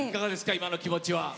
今の気持ちは。